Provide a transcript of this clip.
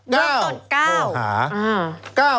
๙ข้อหา